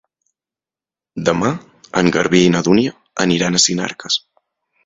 Demà en Garbí i na Dúnia aniran a Sinarques.